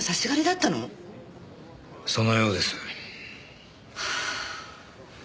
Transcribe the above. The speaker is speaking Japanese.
そのようです。